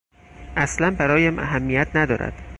اصلا برایم اهمیت ندارد.